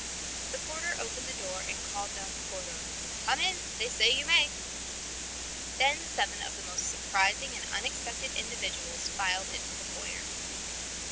The porter opened the door and called down the corridor: "Come in. They say you may." Then seven of the most surprising and unexpected individuals filed into the foyer.